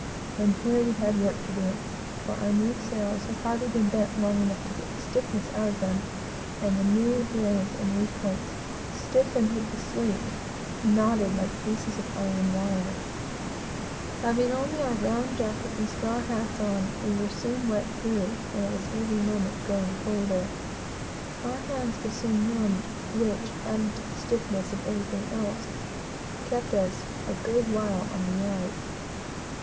And here we had work to do; for our new sails, which had hardly been bent long enough to get the starch out of them, were as stiff as boards, and the new earings and reef points, stiffened with the sleet, knotted like pieces of iron wire. Having only our round jackets and straw hats on, we were soon wet through, and it was every moment growing colder. Our hands were soon stiffened and numbed, which, added to the stiffness of everything else, kept us a good while on the yard.